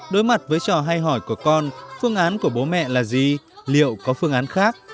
đối mặt với trò hay hỏi của con phương án của bố mẹ là gì liệu có phương án khác